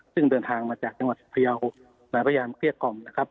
ซึ่งเดินทางมาจากประโยคหลายประยามเครียดกล่อมนะครับ